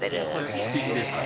築地ですか？